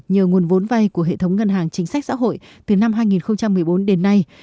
nhờ nguồn vốn vay của hệ thống ngân hàng chính sách xã hội từ năm hai nghìn một mươi bốn đến nay